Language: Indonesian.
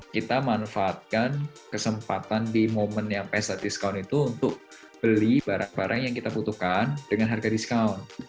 kita manfaatkan kesempatan di momen yang pesta diskon itu untuk beli barang barang yang kita butuhkan dengan harga diskaun